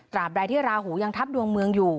ใดที่ราหูยังทับดวงเมืองอยู่